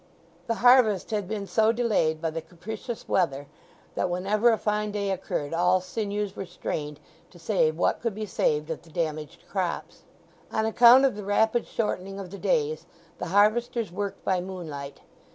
The harvest had been so delayed by the capricious weather that whenever a fine day occurred all sinews were strained to save what could be saved of the damaged crops. On account of the rapid shortening of the days the harvesters worked by moonlight.